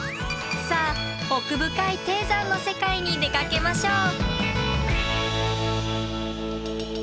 さあ奥深い低山の世界に出かけましょう！